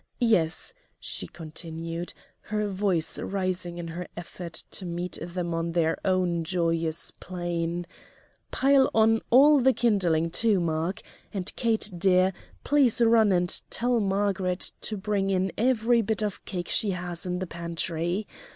Yes," she continued, her voice rising in her effort to meet them on their own joyous plane "pile on all the kindling, too, Mark; and Kate, dear, please run and tell Margaret to bring in every bit of cake she has in the pantry.